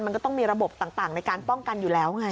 มันก็ต้องมีระบบต่างในการป้องกันอยู่แล้วไง